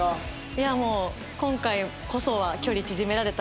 いやもう今回こそは距離縮められたらなと思って。